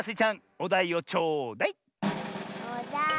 おだいは。